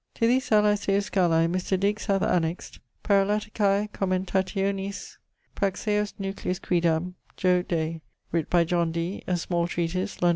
To these Alae seu Scalae Mr. Digges hath annexed Parallaticae commentationis praxeos nucleus quidam, Jo. Day writ by John Dee, a small treatise, Lond.